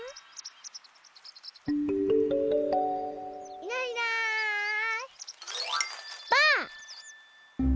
いないいないばあっ！